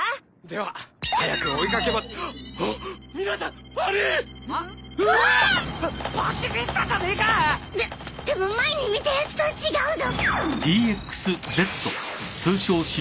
でも前に見たやつとは違うぞ。